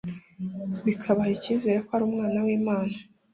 bikabaha icyizere ko ari Umwana w'Imana,